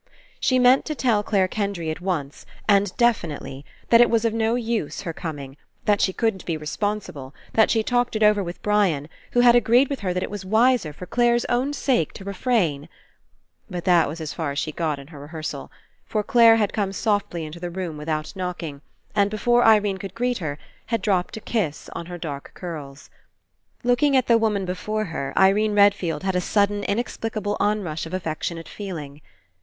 She meant to tell Clare Kendry at once, and definitely, that It was of no use, her com 114 RE ENCOUNTER ing, that she couldn't be responsible, that she'd talked it over with Brian, who had agreed with her that it was wiser, for Clare's own sake, to refrain — But that was as far as she got in her rehearsal. For Clare had come softly into the room without knocking, and before Irene could greet her, had dropped a kiss on her dark curls. Looking at the woman before her, Irene Redfield had a sudden inexplicable onrush of affectionate feeling.